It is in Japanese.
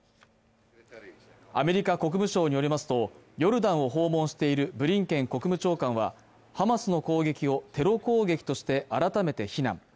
アメリカ国務省によりますとヨルダンを訪問しているブリンケン国務長官は、ハマスの攻撃をテロ攻撃として改めて非難。